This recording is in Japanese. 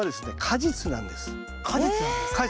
果実なんですか？